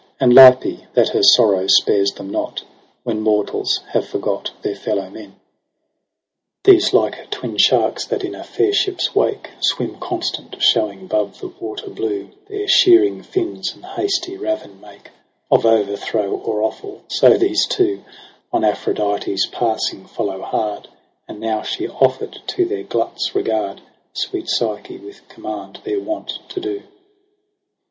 And LYPfe, that her sorrow spares them not. When mortals have forgot their fellow men. NOVEMBER 177 H These, like twin sharks that in a fair ship's wake Swim constant, showing 'bove the water blue Their shearing fins, and hasty ravin make Of overthrow or offal, so these two On Aphrodite's passing follow hard j And now she offer'd to their glut's regard Sweet Psyche, with command their wont to do.